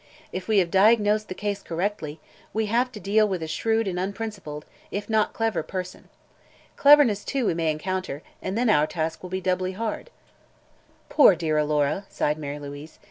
If we have diagnosed the case correctly, we have to deal with a shrewd and unprincipled, if not clever person. Cleverness, too, we may encounter, and then our task will be doubly hard." "Poor, dear Alora!" sighed Mary Louise.